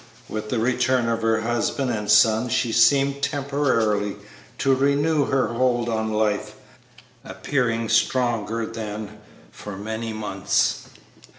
With the return of her husband and son she seemed temporarily to renew her hold on life, appearing stronger than for many months.